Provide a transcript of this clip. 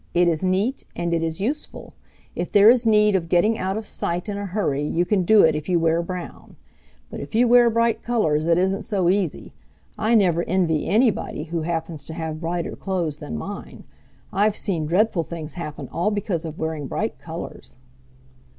It is neat and it is useful. If there is need of getting out of sight in a hurry you can do it if you wear brown. But if you wear bright colors it isn't so easy. I never envy anybody who happens to have brighter clothes than mine. I've seen dreadful things happen all because of wearing bright colors."